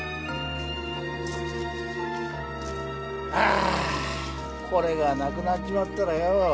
あこれがなくなっちまったらよ